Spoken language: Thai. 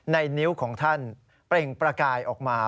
ในนิ้วของท่านเปล่งประกายออกมา